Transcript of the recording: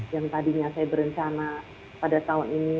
yang tadinya saya berencana pada tahun ini